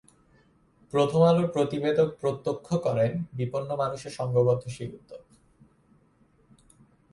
প্রথমআলোর প্রতিবেদক প্রত্যক্ষ করেন বিপন্ন মানুষের সংঘবদ্ধ সেই উদ্যোগ।